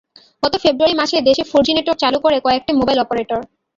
গত ফেব্রুয়ারি মাসে দেশে ফোরজি নেটওয়ার্ক চালু করে কয়েকটি মোবাইল অপারেটর।